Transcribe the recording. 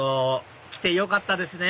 来てよかったですね